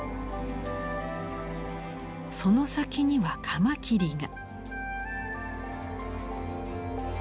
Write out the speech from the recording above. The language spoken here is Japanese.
その先にはカマキリが。